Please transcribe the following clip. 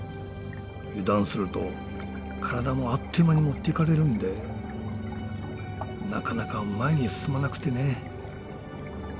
油断すると体もあっという間に持っていかれるんでなかなか前に進まなくてね結構疲れました。